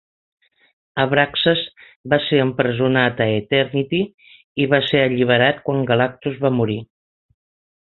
Abraxas va ser empresonat a Eternity i va ser alliberat quan Galactus va morir.